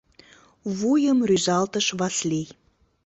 — Вуйым рӱзалтыш Васлий.